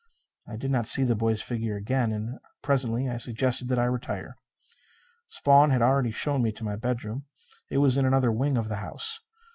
I did not see the boy's figure again; and presently I suggested that I retire. Spawn had already shown me my bedroom. It was in another wing of the house.